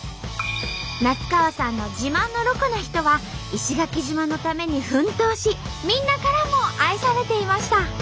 夏川さんの自慢のロコな人は石垣島のために奮闘しみんなからも愛されていました。